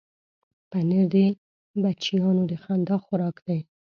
پنېر د بچیانو د خندا خوراک دی.